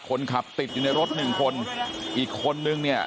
คนขับติดอยู่ในรถหนึ่งคนอีกคนนึงเนี่ย